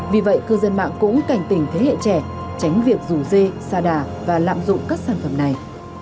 vì vậy cư dân mạng cũng cảnh tỉnh thế hệ trẻ tránh việc rủ dê xa đà và lạm dụng các sản phẩm này